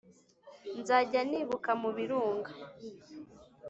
nzajya nibuka mu birunga